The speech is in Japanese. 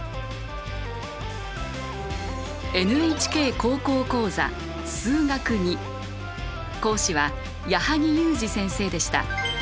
「ＮＨＫ高校講座数学Ⅱ」講師は矢作裕滋先生でした。